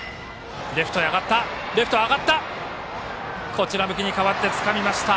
こちら向きに変わってつかみました。